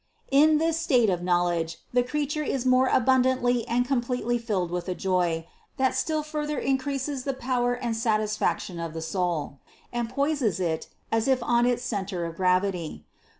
In this state of knowledge the creature is more THE CONCEPTION 43 abundantly and completely filled with a joy, that still further increases the power and satisfaction of the soul, and poises it as if on its center of gravity.